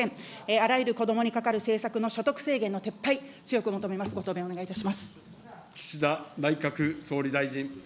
あらゆる子どもにかかる政策の所得制限の撤廃、強く求めます、ご答弁、お願いいたします。